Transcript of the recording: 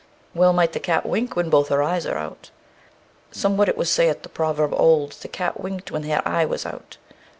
Well might the cat wink when both her eyes were out. "Sumwhat it was sayeth the proverbe old, That the cat winked when here iye was out."